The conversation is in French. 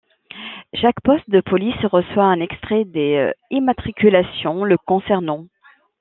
Chaque poste de police reçoit un extrait des immatriculations le concernant.